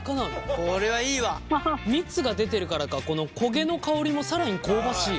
蜜が出てるからかこの焦げの香りも更に香ばしい。